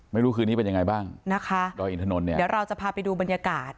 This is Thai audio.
เมื่อคืนนี้เป็นยังไงบ้างนะคะดอยอินถนนเนี่ยเดี๋ยวเราจะพาไปดูบรรยากาศ